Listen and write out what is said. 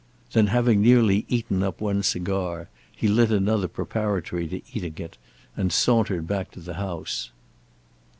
Then, having nearly eaten up one cigar, he lit another preparatory to eating it, and sauntered back to the house.